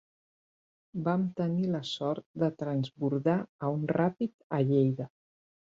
Vam tenir la sort de transbordar a un ràpid a Lleida